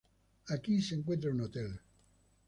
Aquí se encuentra un hotel.